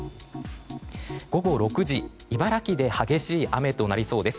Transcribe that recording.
午後６時、茨城で激しい雨となりそうです。